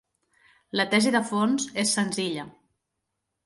La tesi de fons és senzilla.